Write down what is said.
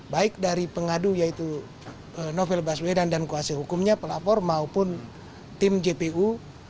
baik dari pengadu yaitu novel baswedan dan kuasa hukumnya pelapor maupun tim jpu